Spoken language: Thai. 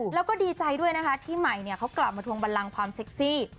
แล้วก็ดีใจด้วยนะคะที่ใหม่เขากลับมาทวงบันลังความเซ็กซี่